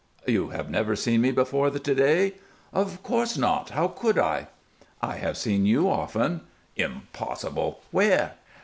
"You have never seen me before to day?" "Of course not! How could I?" "I have seen you often." "Impossible! Where?"